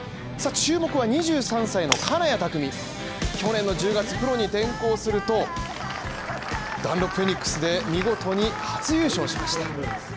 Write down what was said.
注目は２３歳の金谷拓実、去年の１０月頃にプロに転向するとダンロップフェニックスで見事に初優勝しました。